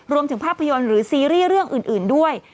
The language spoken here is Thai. รวมถึงภาพยนตร์หรือซีรีส์เรื่องอื่นด้วย